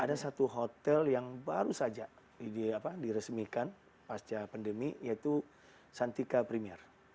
ada satu hotel yang baru saja diresmikan pasca pandemi yaitu santika premier